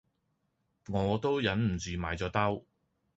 我都忍唔住買咗兜